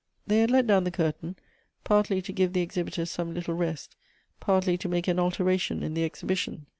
They had let down the curtain, partly to give the ex hibitors some little rest, parti)' to make an alteration in the exhibition.